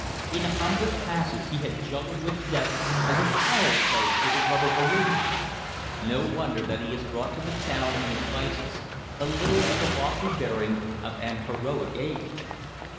In a hundred passes he had juggled with death as a child plays with a rubber balloon. No wonder that he has brought to the town and his vices a little of the lofty bearing of an heroic age.